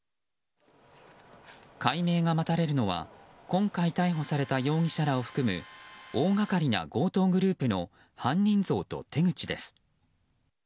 解明が待たれるのは今回、逮捕された容疑者らを含む大がかりな強盗グループの犯人像と手口です。